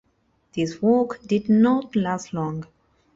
This work did not last long.